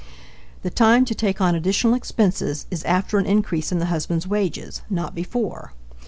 The time to take on additional expenses is after an increase in the husband's wages not before.